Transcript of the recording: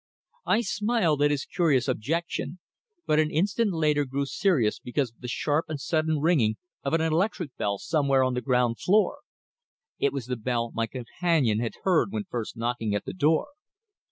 I smiled at his curious objection, but an instant later grew serious because of the sharp and sudden ringing of an electric bell somewhere on the ground floor. It was the bell my companion had heard when first knocking at the door.